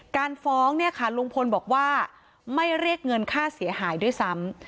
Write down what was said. การฟ้องเนี่ยค่ะลุงพลบอกว่าไม่เรียกเงินค่าเสียหายด้วยซ้ำ